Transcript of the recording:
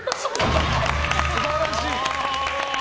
素晴らしい！